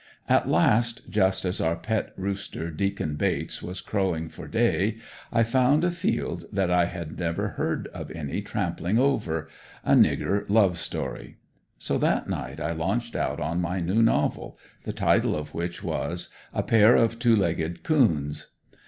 At last, just as our pet rooster, "Deacon Bates" was crowing for day, I found a field that I had never heard of any one trampling over a "nigger" love story. So that night I launched out on my new novel, the title of which was, "A pair of two legged coons."